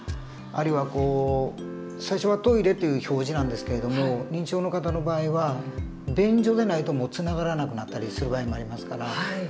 あるいは最初は「トイレ」という表示なんですけれども認知症の方の場合は「便所」でないともうつながらなくなったりする場合もありますから。